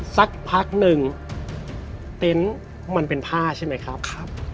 สักพักหนึ่งเต็นต์มันเป็นผ้าใช่ไหมครับ